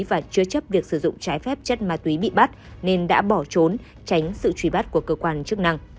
và chứa chấp việc sử dụng trái phép chất ma túy bị bắt nên đã bỏ trốn tránh sự truy bắt của cơ quan chức năng